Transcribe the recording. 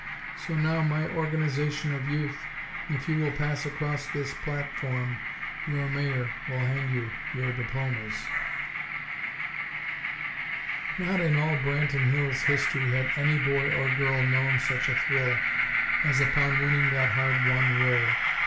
So now, my Organization of Youth, if you will pass across this platform, your Mayor will hand you your diplomas." Not in all Branton Hills' history had any boy or girl known such a thrill as upon winning that hard won roll!